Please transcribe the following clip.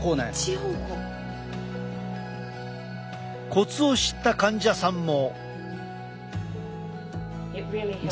コツを知った患者さんも。